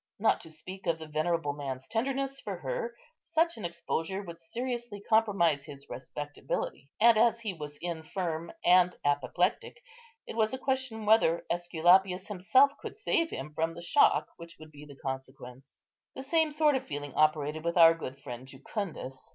Not to speak of the venerable man's tenderness for her, such an exposure would seriously compromise his respectability, and, as he was infirm and apoplectic, it was a question whether Esculapius himself could save him from the shock which would be the consequence. The same sort of feeling operated with our good friend Jucundus.